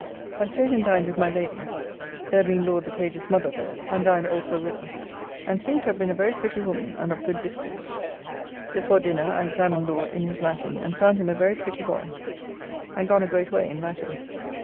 I staid and dined with my Lady, there being Laud the page's mother' there, and dined also with us, and seemed to have been a very pretty woman and of good discourse. Before dinner I examined Laud in his Latin and found him a very pretty boy and gone a great way in Latin.